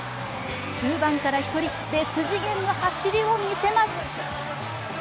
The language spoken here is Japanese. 中盤から１人、別次元の走りを見せます。